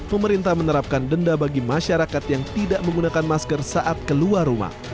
pemerintah menerapkan denda bagi masyarakat yang tidak menggunakan masker saat keluar rumah